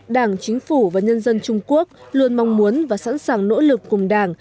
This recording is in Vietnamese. đảng chính phủ và nhân dân trung quốc luôn mong muốn và sẵn sàng nỗ lực cùng đảng